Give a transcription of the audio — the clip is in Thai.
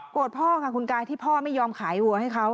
พ่อค่ะคุณกายที่พ่อไม่ยอมขายวัวให้เขา